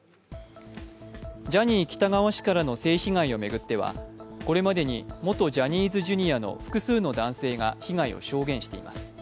ジャニー喜多川氏からの性被害を巡ってはこれまでに元ジャニーズＪｒ．の複数の男性が被害を証言しています。